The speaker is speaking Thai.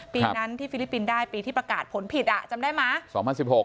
ปีนั้นที่ฟิลิปปินส์ได้ปีที่ประกาศผลผิดอ่ะจำได้ไหม